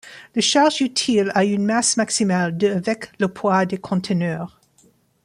La charge utile a une masse maximale de avec le poids des conteneurs.